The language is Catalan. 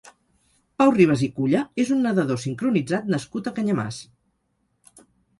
Pau Ribes i Culla és un nedador sincronitzat nascut a Canyamars.